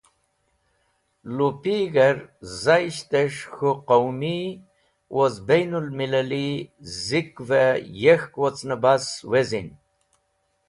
Lupig̃her Zaisht es̃h k̃hu Qaumi woz Bain ul millali Zikve yek̃hk wocne bas wezin.